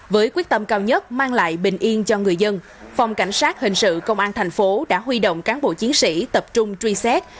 với quyết tâm cao nhất mang lại bình yên cho người dân phòng cảnh sát hình sự công an thành phố đã huy động cán bộ chiến sĩ tập trung truy xét